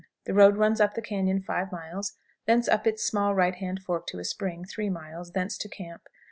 The road runs up the cañon 5 miles; thence up its small right hand fork to a spring, 3 miles; thence to camp.